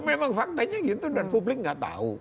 memang faktanya gitu dan publik nggak tahu